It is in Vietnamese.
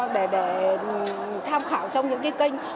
để tham khảo trong những cái kênh